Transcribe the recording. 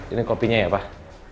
ini kopinya ya pak